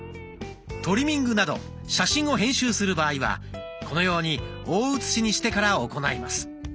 トリミングなど写真を編集する場合はこのように大写しにしてから行います。